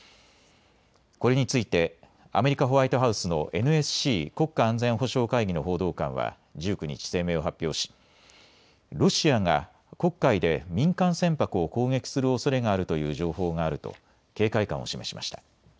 これについてアメリカ・ホワイトハウスのＮＳＣ・国家安全保障会議の報道官は１９日、声明を発表しロシアが黒海で民間船舶を攻撃するおそれがあるという情報があると警戒感を示しました。